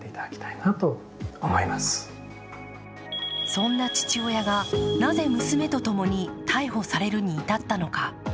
そんな父親が、なぜ娘とともに逮捕されるに至ったのか。